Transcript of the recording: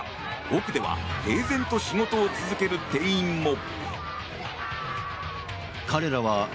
奥では平然と仕事を続ける店員も。